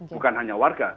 bukan hanya warga